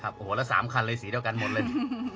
โอ้โหแล้ว๓คันเลยสีเดียวกันหมดเลย